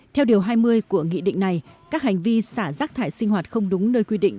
theo điều hai mươi của nghị định này các hành vi xả rác thải sinh hoạt không đúng nơi quy định